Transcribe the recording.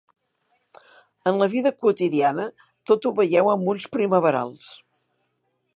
En la vida quotidiana tot ho veieu amb ulls primaverals